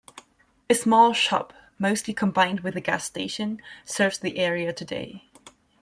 A small shop, mostly combined with a gas station serves the area today.